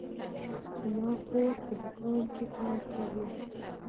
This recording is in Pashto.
زما خور په دوکان کې کار کوي